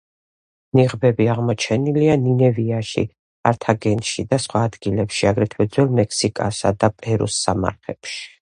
ნიღბები აღმოჩენილია ნინევიაში, კართაგენში და სხვა ადგილებში, აგრეთვე ძველ მექსიკისა და პერუს სამარხებში.